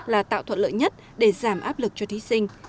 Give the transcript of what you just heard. là tạo thuận lợi nhất để giảm áp lực cho thí sinh